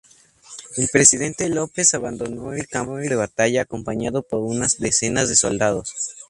El presidente López abandonó el campo de batalla acompañado por unas decenas de soldados.